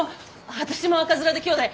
私も赤面できょうだい！